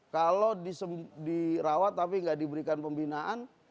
kalau dirawat tapi tidak diberikan pembinaan